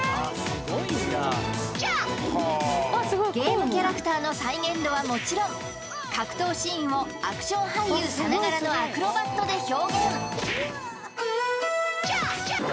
ゲームキャラクターの再現度はもちろん格闘シーンをアクション俳優さながらのアクロバットで表現やあっやあっ！